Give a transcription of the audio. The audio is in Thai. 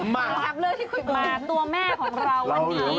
เบคสักครู่เดี๋ยวกลับมาช่วงหน้าครับ